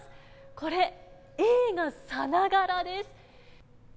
これ、映画さながらです。